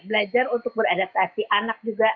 belajar untuk beradaptasi anak juga